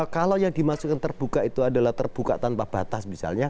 kalau yang dimaksudkan terbuka itu adalah terbuka tanpa batas misalnya